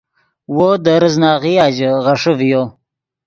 وو دے ریزناغیا ژے غیݰے ڤیو